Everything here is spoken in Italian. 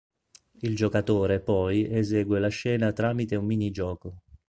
Il giocatore poi esegue la scena tramite un minigioco.